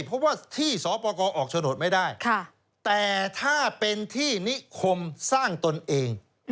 เพราะว่าที่สปกรออกโฉนดไม่ได้แต่ถ้าเป็นที่นิคมสร้างตนเอง